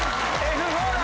Ｆ４だ！